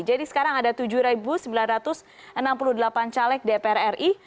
jadi sekarang ada tujuh sembilan ratus enam puluh delapan caleg dpr ri